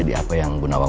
silahkan duduk bu nawang